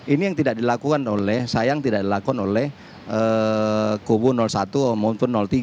ini yang tidak dilakukan oleh sayang tidak dilakukan oleh kubu satu maupun tiga